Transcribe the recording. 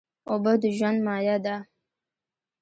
اوبه د ژوند مایه ده.